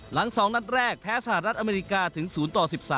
หลัง๒นัดแรกแพ้สหรัฐอเมริกาถึง๐ต่อ๑๓